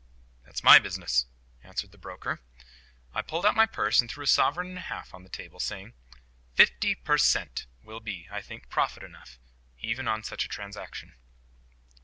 "That's my business," answered the broker. I pulled out my purse, and threw a sovereign and a half on the table, saying— "FIFTY PER CENT. will be, I think, profit enough even on such a transaction."